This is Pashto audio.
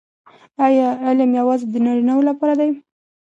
آیا علم یوازې د نارینه وو لپاره دی؟